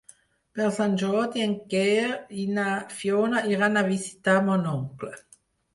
Per Sant Jordi en Quer i na Fiona iran a visitar mon oncle.